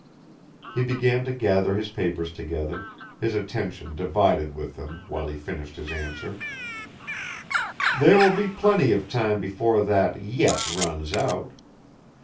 He began to gather his papers together, his attention divided with them while he finished his answer: "There will be plenty of time before that 'yet' runs out.